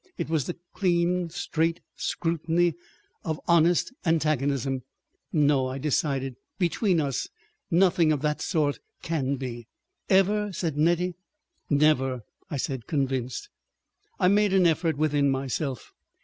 It was the clean, straight scrutiny of honest antagonism. "No," I decided. "Between us, nothing of that sort can be." "Ever?" said Nettie. "Never," I said, convinced. I made an effort within myself.